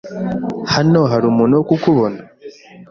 Hano hari umuntu wo kukubona.